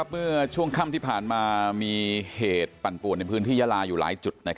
เมื่อช่วงค่ำที่ผ่านมามีเหตุปั่นป่วนในพื้นที่ยาลาอยู่หลายจุด